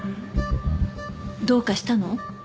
どうかしたの？